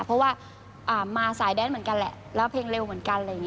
เพราะว่ามาสายแดนเหมือนกันแหละแล้วเพลงเร็วเหมือนกันอะไรอย่างนี้